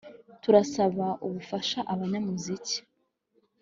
turasaba ubufasha abanyamuziki,